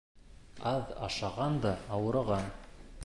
Аҙ ашаған да ауырыған